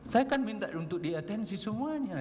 saya kan minta untuk diatensi semuanya